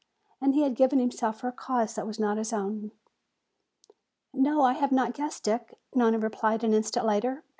And he had given himself for a cause that was not his own. "No, I have not guessed, Dick," Nona replied an instant later.